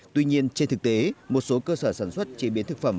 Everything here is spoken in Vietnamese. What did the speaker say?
tuy nhiên trên thực tế một số cơ sở sản xuất chế biến thực phẩm